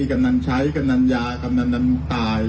กำนั้นใช้กำนั้นยากำนั้นน้ำดำใต่